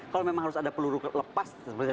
kalau memang harus ada peluru lepas